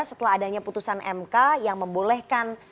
setelah adanya putusan mk yang membolehkan